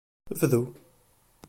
Bdu!